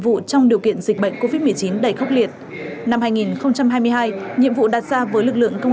vụ trong điều kiện dịch bệnh covid một mươi chín đầy khốc liệt năm hai nghìn hai mươi hai nhiệm vụ đặt ra với lực lượng công